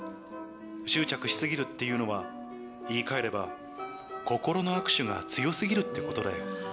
執着し過ぎるっていうのは、言い換えれば、心の握手が強すぎるってことだよ。